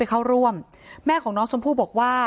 ครับ